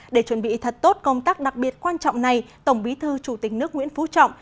để chuẩn bị thật tốt công tác đặc biệt quan trọng này tổng bí thư chủ tịch nước nguyễn phú trọng